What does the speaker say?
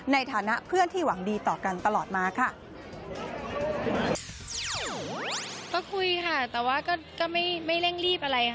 ในฐานะเพื่อนที่หวังดีต่อกันตลอดมาค่ะ